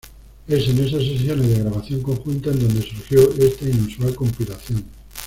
Es en esas sesiones de grabación conjuntas en dónde surgió esta inusual compilación.